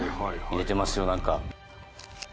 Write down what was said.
入れてますよ何か。